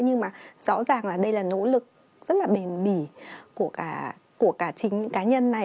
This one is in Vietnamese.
nhưng mà rõ ràng là đây là nỗ lực rất là bền bỉ của cả chính những cá nhân này